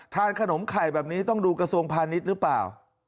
ขนมไข่แบบนี้ต้องดูกระทรวงพาณิชย์หรือเปล่า